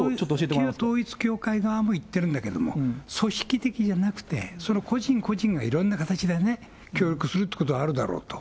旧統一教会側も言ってるんだけども、組織的じゃなくて、個人個人がいろいろな形で協力するということはあるだろうと。